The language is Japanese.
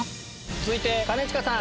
続いて兼近さん。